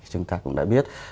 chúng ta cũng đã biết